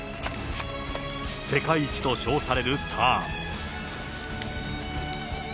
世界一と称されるターン。